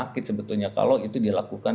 jadi sakit sebetulnya kalau itu dilakukan